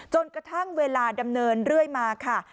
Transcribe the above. จนกระทั่งเวลาดำเนินเรื่อยมาค่ะ